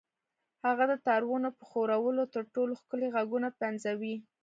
هغه د تارونو په ښورولو تر ټولو ښکلي غږونه پنځوي